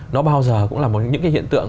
nó bao giờ cũng là những cái hiện tượng